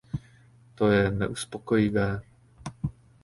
To je neuspokojivé.